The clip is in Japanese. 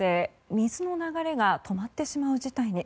水の流れが止まってしまう事態に。